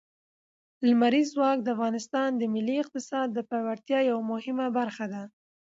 لمریز ځواک د افغانستان د ملي اقتصاد د پیاوړتیا یوه مهمه برخه ده.